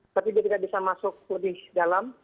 tapi dia tidak bisa masuk lebih dalam